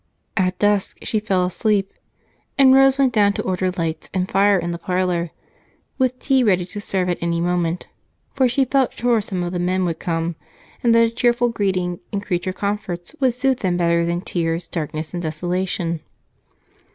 At dusk she fell asleep, and Rose went down to order lights and fire in the parlor, with tea ready to serve at any moment, for she felt sure some of the men would come and that a cheerful greeting and creature comforts would suit them better than tears, darkness, and desolation.